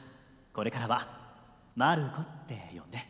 これからはマルコって呼んで。